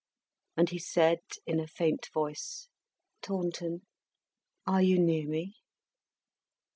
And he said in a faint voice, "Taunton, are you near me?"